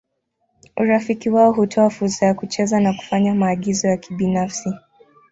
Urafiki wao hutoa fursa ya kucheza na kufanya maagizo ya kibinafsi.